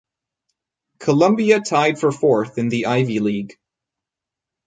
Columbia tied for fourth in the Ivy League.